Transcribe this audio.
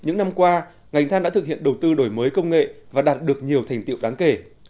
những năm qua ngành than đã thực hiện đầu tư đổi mới công nghệ và đạt được nhiều thành tiệu đáng kể